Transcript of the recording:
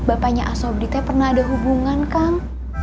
bapaknya asobditnya pernah ada hubungan kang